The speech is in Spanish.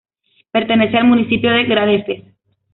Pertenece al municipio de Gradefes.